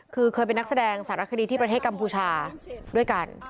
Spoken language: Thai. คือเคยเป็นนักแสดงสารคดีที่ประเทศกัมพูชาด้วยกัน